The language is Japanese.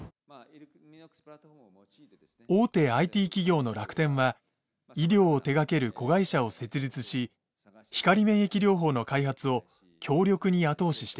大手ＩＴ企業の楽天は医療を手がける子会社を設立し光免疫療法の開発を強力に後押ししてきました。